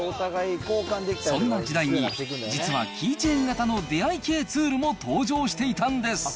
そんな時代に、実はキーチェーン型の出会い系ツールも登場していたんです。